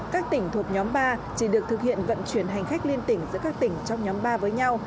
các tỉnh thuộc nhóm ba chỉ được thực hiện vận chuyển hành khách liên tỉnh giữa các tỉnh trong nhóm ba với nhau